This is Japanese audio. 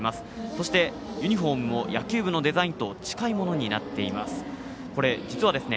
そして、ユニフォームも野球部のデザインと近いものになっています。